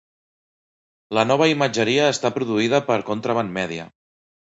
La nova imatgeria està produïda per Contraband Media.